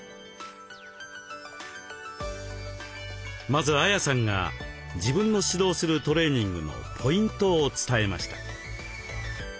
まずＡＹＡさんが自分の指導するトレーニングのポイントを伝えました。